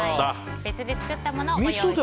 別で作ったものをご用意しています。